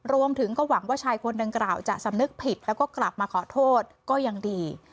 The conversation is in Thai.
รวมถึงก็หวังว่าชายคนดังกล่าวจะสำนึกผิดแล้วก็กลับมาขอโทษก็ยังดี